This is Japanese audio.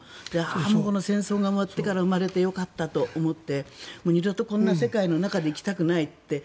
ああ、戦争が終わってから生まれてよかったと思って二度とこんな世界の中で行きたくないって。